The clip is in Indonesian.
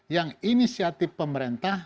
yang inisiatif pemerintah